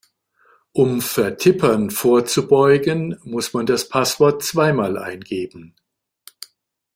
Um Vertippern vorzubeugen, muss man das Passwort zweimal eingeben.